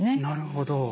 なるほど。